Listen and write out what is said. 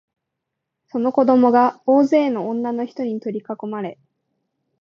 その子供が大勢の女のひとに取りかこまれ、